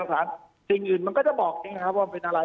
สิ่งอื่นมันก็จะบอกใช่ว่าเป็นอะไร